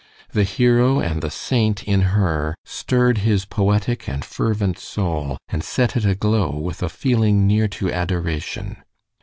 The hero and the saint in her stirred his poetic and fervent soul and set it aglow with a feeling near to adoration.